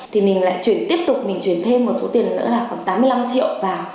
thì mình lại chuyển tiếp tục mình chuyển thêm một số tiền nữa là khoảng tám mươi năm triệu vào